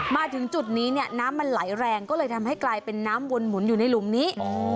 มาถึงจุดนี้เนี่ยน้ำมันไหลแรงก็เลยทำให้กลายเป็นน้ำวนหมุนอยู่ในหลุมนี้